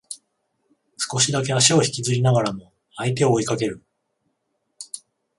少しだけ足を引きずりながらも相手を追いかける